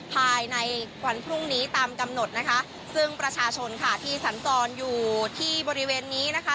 ภายในวันพรุ่งนี้ตามกำหนดนะคะซึ่งประชาชนค่ะที่สัญจรอยู่ที่บริเวณนี้นะคะ